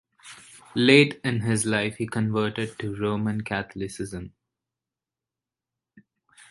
Late in his life he converted to Roman Catholicism.